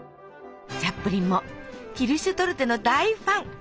チャップリンもキルシュトルテの大ファン！